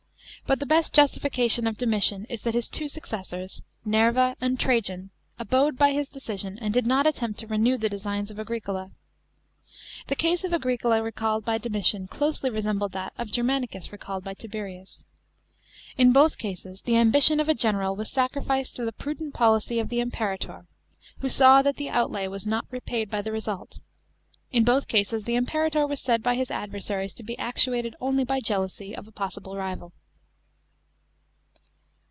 But the best justification of Domitian is that his two successors, Nerva and Trajan, abode by his decision and did not attempt to renew the designs of Agricola. The case of Agricola recalled by Domitian closely resembled that of Germanicus recalled by Tiberius. In both cases the ambition of a general was sacrificed to the prudent policy of the Imperator, who saw that the outlay was not repaid by the result ; in both cases the Imperator was said by his adversaries to lie actuated only by jealousy of a possible rival.